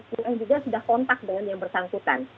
yang juga sudah kontak dengan yang bersangkutan